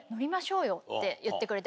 って言ってくれて。